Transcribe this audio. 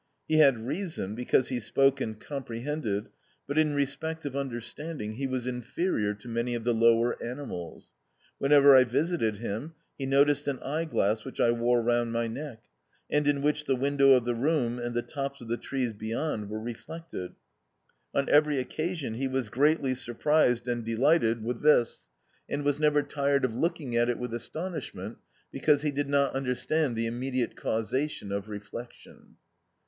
He had reason, because he spoke and comprehended, but in respect of understanding he was inferior to many of the lower animals. Whenever I visited him he noticed an eye glass which I wore round my neck, and in which the window of the room and the tops of the trees beyond were reflected: on every occasion he was greatly surprised and delighted with this, and was never tired of looking at it with astonishment, because he did not understand the immediate causation of reflection.